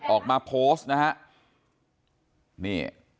ออกมาโพสต์นะฮะ